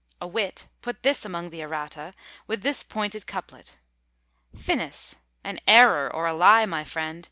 A wit put this among the errata, with this pointed couplet: FINIS! an error, or a lie, my friend!